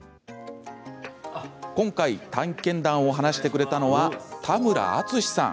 今回、体験談を話してくれたのは、田村淳さん。